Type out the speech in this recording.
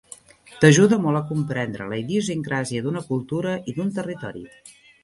T’ajuda molt a comprendre la idiosincràsia d’una cultura i d’un territori.